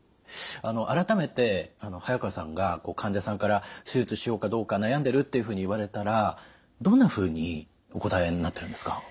改めて早川さんが患者さんから「手術しようかどうか悩んでる」っていうふうに言われたらどんなふうにお答えになってるんですか？